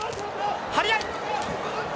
張り合い！